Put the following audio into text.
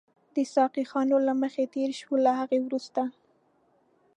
د ساقي خانو له مخې تېر شوو، له هغه وروسته.